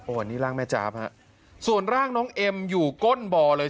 อันนี้ร่างแม่จ๊าบฮะส่วนร่างน้องเอ็มอยู่ก้นบ่อเลย